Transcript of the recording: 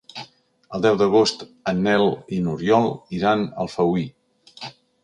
El deu d'agost en Nel i n'Oriol iran a Alfauir.